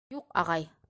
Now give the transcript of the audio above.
Юҡ, ағай.